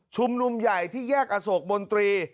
มุมใหญ่ที่แยกอโศกมนตรี